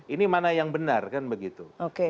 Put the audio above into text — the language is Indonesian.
ini mana yang benar kan begitu